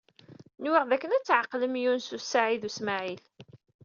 Nwiɣ dakken ad tɛeqlemt Yunes u Saɛid u Smaɛil.